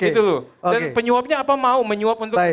dan penyuapnya apa mau menyuap untuk